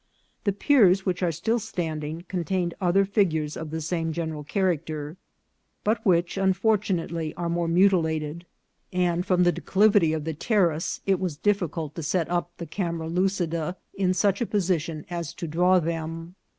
The piers which are still standing contained other fig ures of the same general character, but which, unfortu nately, are more mutilated, and from the declivity of 312 INCIDENTS OF TRAVEL. the terrace it was difficult to set up the camera lucida in such a position as to draw them.